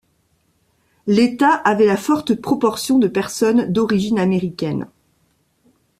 L'État avait la forte proportion de personnes d'origine américaine.